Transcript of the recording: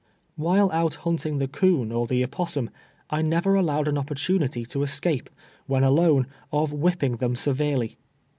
While out hunting the coon or the opossum, I never allowed an opportunity to escape, when alone, of whipping them severely.